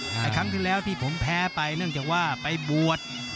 แต่ครั้งที่แล้วที่ผมแพ้ไปเนื่องจากว่าไปบวช